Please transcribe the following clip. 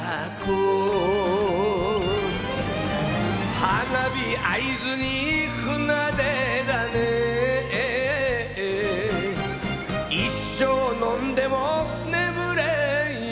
花火合図に船出だね一升飲んでも眠れんよ